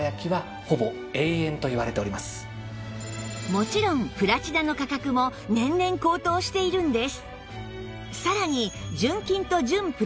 もちろんプラチナの価格も年々高騰しているんです